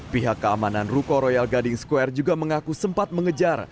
pihak keamanan ruko royal gading square juga mengaku sempat mengejar